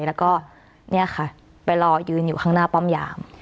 แล้วก็เนี่ยค่ะไปรอยืนอยู่ข้างหน้าป้อมยาม